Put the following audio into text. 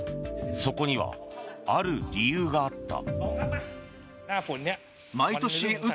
そこにはある理由があった。